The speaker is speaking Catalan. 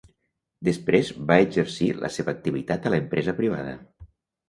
Després va exercir la seva activitat a l'empresa privada.